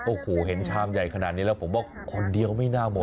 โอ้โหเห็นชามใหญ่ขนาดนี้แล้วผมว่าคนเดียวไม่น่ามอง